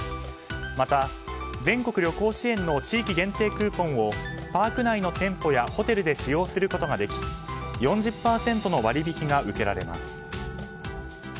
また、全国旅行支援の地域限定クーポンをパーク内の店舗やホテルで使用することができ４０％の割引が受けられます。